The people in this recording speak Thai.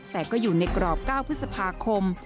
แต่ก็อยู่ในกรอบ๙พฤษภาคม